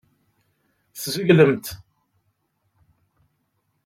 Tzeglemt.